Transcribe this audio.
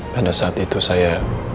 pada saat itu saya